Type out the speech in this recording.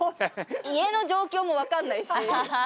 家の状況も分かんないし